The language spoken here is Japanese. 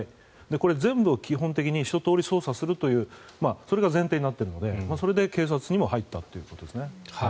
これ、全部基本的に一通り捜査するというそれが前提になっているのでそれで、警察にも入ったということですね。